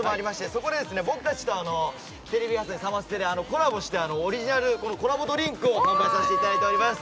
そこで僕たちとテレビ朝日・サマステとコラボしてオリジナルコラボドリンクを販売させていただいています。